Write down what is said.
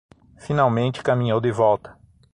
Finalmente caminhou de volta